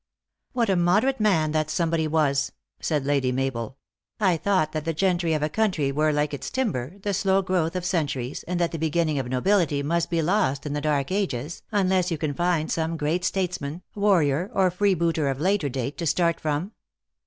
" What a moderate man that somebody was !" said Lady Mabel ;" I thought that the gentry of a country were like its timber, the slow growth of centuries, and that the beginning of nobility must be lost in the dark ages, unless 3^011 can find some great statesman, war rior, or freebooter of later date to start from."